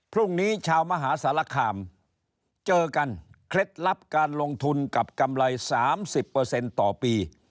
พรุ่งนี้ชาวมหาสารคามเจอกันเคล็ดลับการลงทุนกับกำไร๓๐ต่อปี